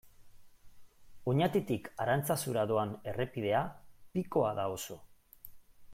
Oñatitik Arantzazura doan errepidea pikoa da oso.